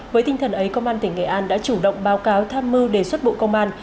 với tinh thần ấy công an tỉnh nghệ an đã chủ động báo cáo tham mưu đề xuất bộ công an